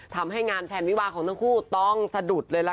ทำให้งานแพลนวิวาของทั้งคู่ต้องสะดุดเลยล่ะค่ะ